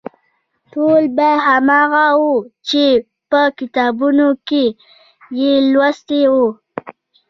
ټول به هماغه و چې په کتابونو کې یې لوستي وو.